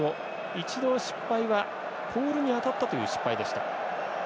一度、失敗はポールに当たったという失敗でした。